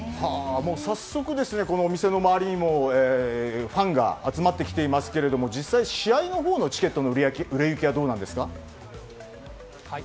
早速、店の周りにもファンが集まってきていますが実際、試合のほうのチケットの売れ行きはどうなんですか？